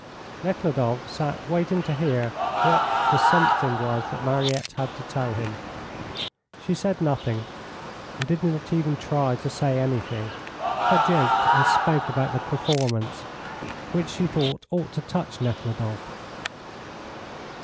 Nekhludoff sat waiting to hear what the something was that Mariette had to tell him. She said nothing, and did not even try to say anything, but joked and spoke about the performance, which she thought ought to touch Nekhludoff.